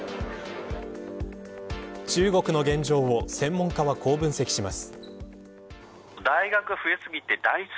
中国の現状を専門家はこう分析します。